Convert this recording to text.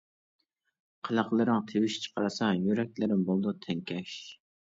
قىلىقلىرىڭ تىۋىش چىقارسا، يۈرەكلىرىم بولىدۇ تەڭكەش.